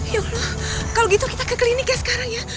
yuk kalau gitu kita ke klinik ya sekarang ya